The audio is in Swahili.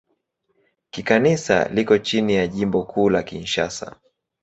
Kikanisa liko chini ya Jimbo Kuu la Kinshasa.